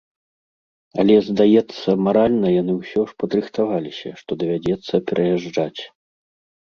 Але, здаецца, маральна яны ўсё ж падрыхтаваліся, што давядзецца пераязджаць.